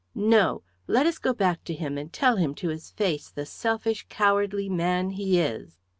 No; let us go back to him and tell him to his face the selfish cowardly man he is."